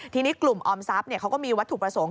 ทีนี้กลุ่มออมทรัพย์เขาก็มีวัตถุประสงค์